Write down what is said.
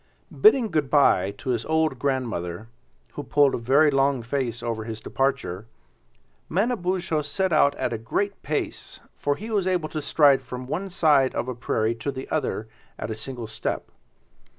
Bidding good by to his old grandmother, who pulled a very long face over his departure, Manabozho set out at a great pace, for he was able to stride from one side of a prairie to the other at a single step.